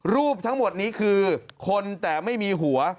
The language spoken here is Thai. รูปทั้งหมดนี้คือคนแต่ไม่มีหัว